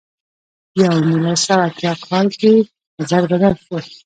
په نولس سوه اتیا کال کې نظر بدل شو.